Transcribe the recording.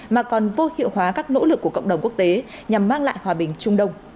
mà còn vô hiệu hóa các nỗ lực của cộng đồng quốc tế nhằm mang lại hòa bình trung đông